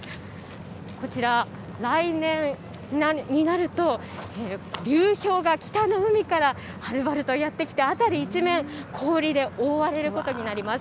こちら、来年になると、流氷が北の海からはるばるとやって来て、辺り一面、氷で覆われることになります。